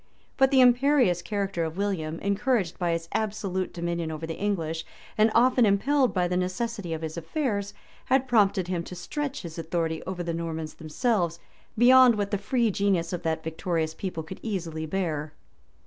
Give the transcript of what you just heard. But the imperious character of William, encouraged by his absolute dominion over the English, and often impelled by the necessity of his affairs, had prompted him to stretch his authority over the Normans themselves beyond what the free genius of that victorious people could easily bear.